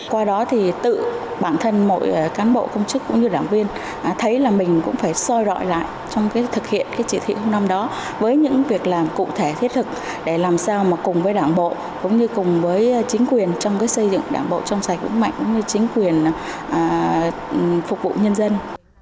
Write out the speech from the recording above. qua đó thì tự bản thân mỗi cán bộ công chức cũng như đảng viên thấy là mình cũng phải soi rọi lại trong cái thực hiện cái chỉ thị năm đó với những việc làm cụ thể thiết thực để làm sao mà cùng với đảng bộ cũng như cùng với chính quyền trong xây dựng đảng bộ trong sạch cũng mạnh như chính quyền phục vụ nhân dân